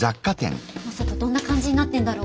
正門どんな感じになってんだろう？